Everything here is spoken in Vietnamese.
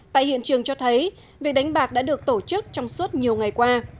tại hiện trường cho thấy việc đánh bạc đã được tổ chức trong suốt nhiều ngày qua